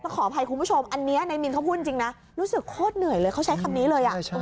ขออภัยคุณผู้ชมอันนี้นายมินเขาพูดจริงนะรู้สึกโคตรเหนื่อยเลยเขาใช้คำนี้เลย